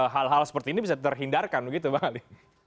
hal hal seperti ini bisa terhindarkan begitu bang ali